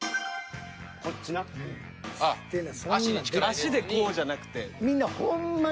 脚でこうじゃなくて。